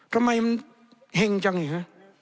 ทำไมมันเห็นจังอยู่